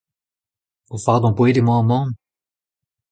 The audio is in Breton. O fardañ boued emañ ho mamm ?